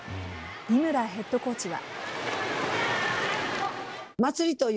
井村ヘッドコーチは。